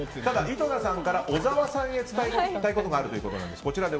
井戸田さんから小沢さんへ伝えたいことがあるということです。